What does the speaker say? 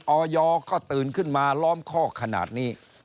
ออยก็ตื่นขึ้นมาล้อมข้อขนาดนี้